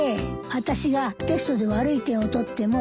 あたしがテストで悪い点を取っても。